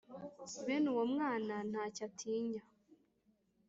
. Bene uwo mwana nta cyo atinya